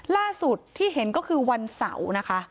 ล่าสุดที่เห็นก็คือวันเสาร์นะคะ